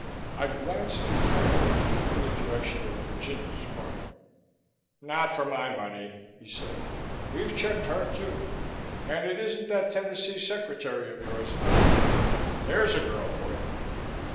I glanced inquiringly in the direction of Virginia's apartment. "Not for my money," he said. "We've checked her, too. And it isn't that Tennessee secretary of yours, either. There's a girl for you.